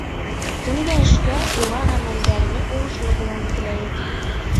Кемгә эшкә, уға ғәмәлдәренең уңышлы булыуын теләйек.